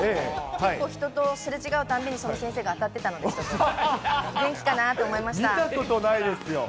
結構人と、すれ違うたんびにその先生が当たってたんで、元気かなと思いまし見たことないですよ。